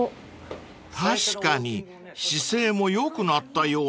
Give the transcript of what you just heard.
［確かに姿勢もよくなったような］